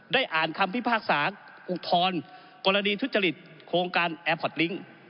อ่านคำพิพากษาอุทธรณ์กรณีทุจริตโครงการแอร์พอร์ตลิ้ง